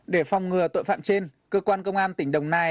để phòng ngừa tội phạm trên cơ quan công an tỉnh đồng nai